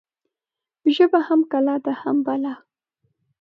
ژبه هم کلا ده هم بلا.